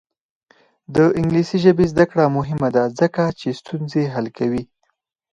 د انګلیسي ژبې زده کړه مهمه ده ځکه چې ستونزې حل کوي.